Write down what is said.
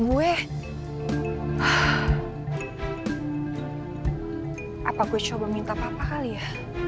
load speaker ya